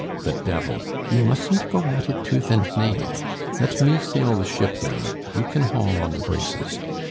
The devil! you mustn't go at it tooth and nail. Let me sail the ship now; you can haul on the braces.